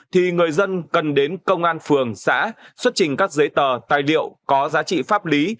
thì người dân cần đến công an phường xã xuất trình các giấy tờ tài liệu có giá trị pháp lý